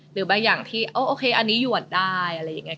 หรือบางอย่างที่โอเคอันนี้หยวดได้อะไรอย่างนี้